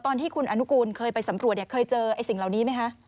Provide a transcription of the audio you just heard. ตอนที่คุณอนุกูลเคยไปสำรวจเนี่ยเคยเจอไอ้สิ่งเหล่านี้ไหมคะ